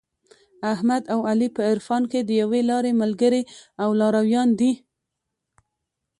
احمد او علي په عرفان کې د یوې لارې ملګري او لارویان دي.